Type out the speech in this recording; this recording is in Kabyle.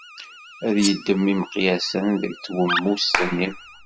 Ad d-yeddem imeqyasen seg twemmust-nni.